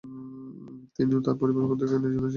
তিনি ও তাঁর পরিবার সরকার কর্তৃক নির্যাতনের শিকার হয়েছিলেন।